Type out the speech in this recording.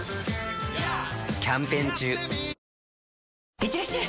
いってらっしゃい！